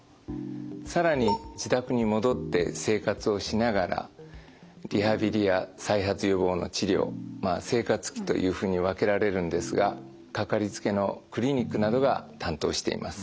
更に自宅に戻って生活をしながらリハビリや再発予防の治療まあ生活期というふうに分けられるんですがかかりつけのクリニックなどが担当しています。